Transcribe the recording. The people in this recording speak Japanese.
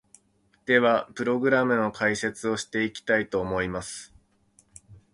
では、プログラムの解説をしていきたいと思います！